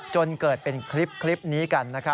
จนเกิดเป็นคลิปนี้กันนะครับ